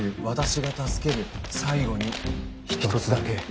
「わたしが助ける」「最後にひとつだけ」